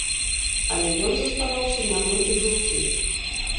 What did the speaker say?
Але ён заставаўся нямым і глухім.